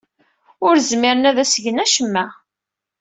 Ur zmiren ad as-gen acemma.